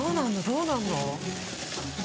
どうなんの？